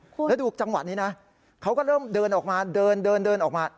แล้วดูจังหวะนี้นะเขาก็เริ่มเดินออกมาเดินเดินออกมา